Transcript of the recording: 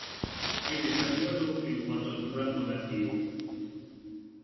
Hay desacuerdo en cuanto a su rango nativo.